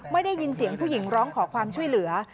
ไม่ได้ยินเสียงผู้หญิงร้องขอความช่วยเหลือ